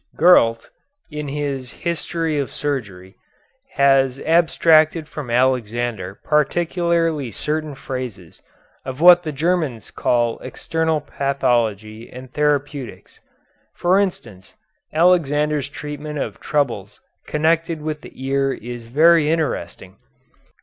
Gurlt, in his "History of Surgery," has abstracted from Alexander particularly certain phases of what the Germans call external pathology and therapeutics. For instance, Alexander's treatment of troubles connected with the ear is very interesting.